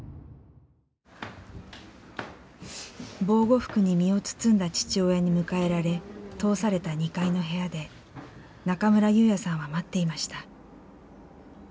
防護服に身を包んだ父親に迎えられ通された２階の部屋で中村優也さんは待っていました。